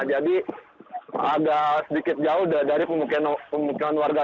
jadi agak sedikit jauh dari pemukiman warga